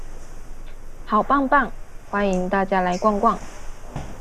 好棒棒，歡迎大家來逛逛